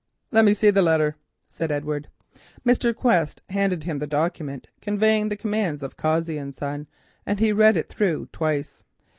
"Let me see the letter," said Edward. Mr. Quest handed him the document conveying the commands of Cossey and Son, and he read it through twice.